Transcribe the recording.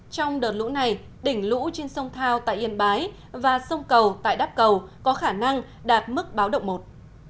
trong đợt lũ này đỉnh lũ trên sông thao tại yên bái và sông cầu tại đắp cầu có khả năng đạt mức báo động một